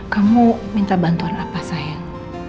kamu minta bantuan apa sayang